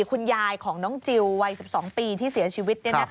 คุณยายของน้องจิลวัย๑๒ปีที่เสียชีวิต